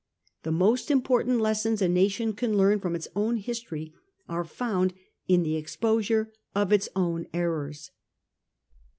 The most important lessons a nation can learn from its own history are found in the exposure of its own errors.